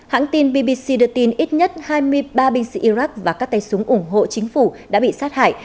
hãng tin bbc đưa tin ít nhất hai mươi ba binh sĩ iraq và các tay súng ủng hộ chính phủ đã bị sát hại